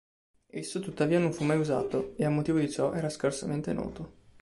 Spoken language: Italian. Esso tuttavia non fu mai usato, e a motivo di ciò era scarsamente noto.